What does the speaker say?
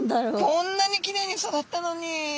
こんなにきれいに育ったのに。